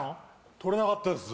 取れなかったです